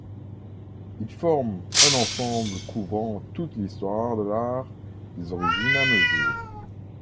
Ils forment un ensemble couvrant toute l'histoire de l'art, des origines à nos jours.